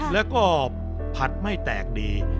แล้วก็ผัดไม่แตกดี